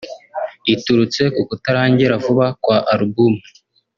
iturutse ku kutarangira vuba kwa album